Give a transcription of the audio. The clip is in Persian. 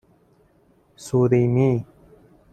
سوریمی